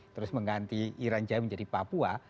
terus mengganti iran jaya menjadi papua